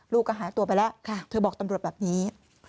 ลูกก็หายตัวไปแล้วเธอบอกตำรวจแบบนี้